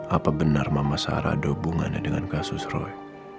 apa benar mama sarah ada hubungannya dengan kasus roy